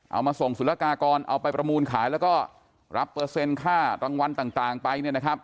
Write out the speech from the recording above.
เอามาส่งสุรกากรเอาไปประมูลขายแล้วก็รับเปอร์เซ็นต์ค่ารางวัลต่างไป